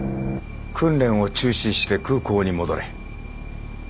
訓練を中止して空港に戻れ。